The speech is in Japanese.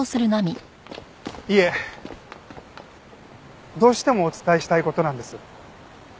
いえどうしてもお伝えしたい事なんです。